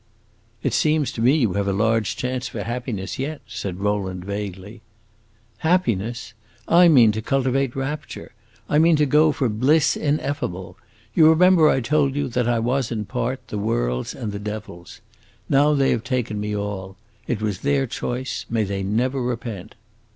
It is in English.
"It seems to me you have a large chance for happiness yet," said Rowland, vaguely. "Happiness? I mean to cultivate rapture; I mean to go in for bliss ineffable! You remember I told you that I was, in part, the world's and the devil's. Now they have taken me all. It was their choice; may they never repent!"